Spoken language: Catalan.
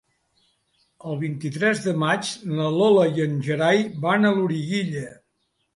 El vint-i-tres de maig na Lola i en Gerai van a Loriguilla.